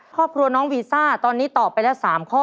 ครอบครัวน้องวีซ่าตอนนี้ตอบไปแล้ว๓ข้อ